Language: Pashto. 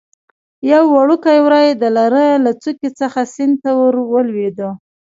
یو وړکی وری د لره له څوکې څخه سیند ته ور ولوېده.